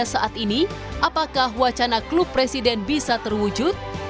saat ini apakah wacana klub presiden bisa terwujud